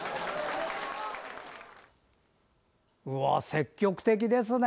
積極的ですね。